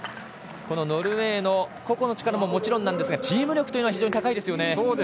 ノルウェーの個々の力ももちろんですがチーム力というのが非常に高いですよね。